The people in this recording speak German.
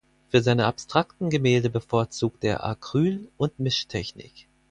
Für seine abstrakten Gemälde bevorzugte er Acryl und Mischtechnik.